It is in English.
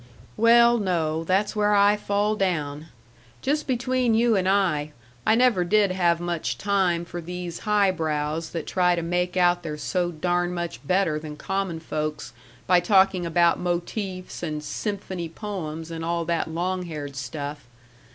"Well, no; that's where I fall down. Just between you and I, I never did have much time for these high brows that try to make out they're so darn much better than common folks by talking about motifs and symphony poems and all that long haired stuff.